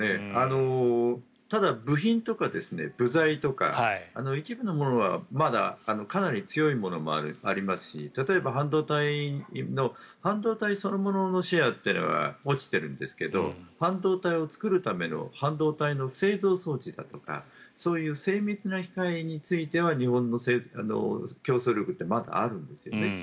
ただ、部品とか部材とか一部のものはまだかなり強いものもありますし例えば半導体そのもののシェアは落ちているんですけど半導体を作るための半導体の製造装置だとかそういう精密な機械については日本の競争力ってまだあるんですよね。